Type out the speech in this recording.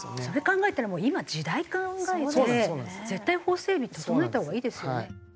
それ考えたらもう今時代考えて絶対法整備整えたほうがいいですよね。